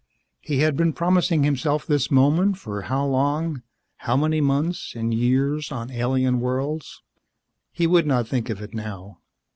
He had been promising himself this moment for how long how many months and years on alien worlds? He would not think of it now.